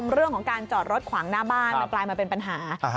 เรื่องของการจอดรถขวางหน้าบ้านมันกลายมาเป็นปัญหา